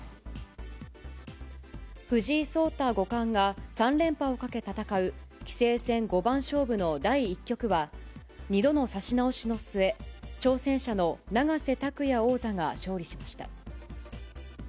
藤井聡太五冠が、３連覇をかけ戦う、棋聖戦五番勝負の第１局は、２度の指し直しの末、挑戦者の永瀬拓矢王座が勝利しました。